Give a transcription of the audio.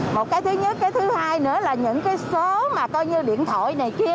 một cái thứ nhất cái thứ hai nữa là những cái số mà coi như điện thoại này kia